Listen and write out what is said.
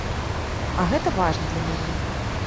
А гэта важна для мяне.